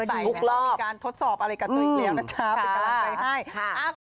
มีการทดสอบอะไรกันอีกแล้วนะจ๊ะเป็นกำลังใจให้